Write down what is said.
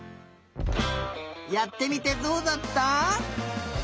やってみてどうだった？